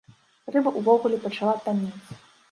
Рыба ўвогуле пачала таннець.